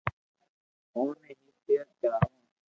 اوني بي تيرٿ ڪراوُ